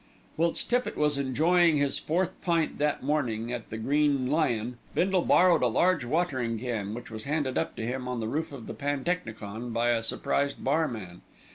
Whilst Tippitt was enjoying his fourth pint that morning at The Green Lion, Bindle borrowed a large watering can, which was handed up to him on the roof of the pantechnicon by a surprised barman.